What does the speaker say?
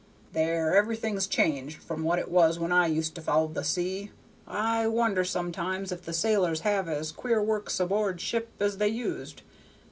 There! everything's changed from what it was when I used to follow the sea. I wonder sometimes if the sailors have as queer works aboard ship as they used.